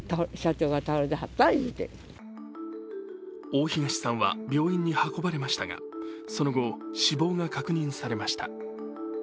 大東さんは病院に運ばれましたがその後、死亡が確認されました。